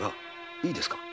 いいですか。